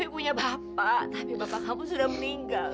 dewi punya bapak tapi bapak kamu sudah meninggal nak